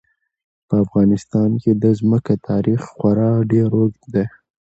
په افغانستان کې د ځمکه تاریخ خورا ډېر اوږد دی.